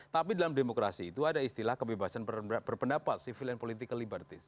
tapi dalam demokrasi itu ada istilah kebebasan berpendapat civil and political liberties